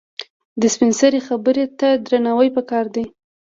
د سپینسرې خبره ته درناوی پکار دی.